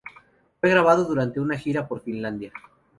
Fue grabado durante una gira por Finlandia.